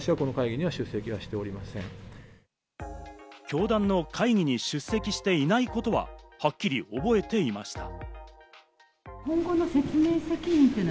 教団の会議に出席していないことははっきり覚えていました。